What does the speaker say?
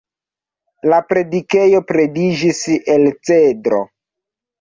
La predikejo pretiĝis el cedro.